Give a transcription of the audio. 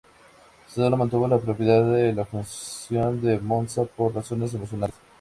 Solo mantuvo la propiedad de la fundición de Monza por razones emocionales.